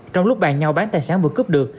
trong lúc bàn nhau bán tài sản vừa cướp được